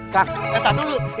kata dulu itu motor kamu